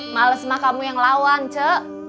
males mah kamu yang lawan ce